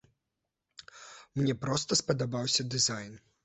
Мне проста спадабаўся дызайн.